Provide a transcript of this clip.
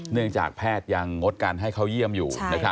เนื่องจากแพทย์ยังงดการให้เขาเยี่ยมอยู่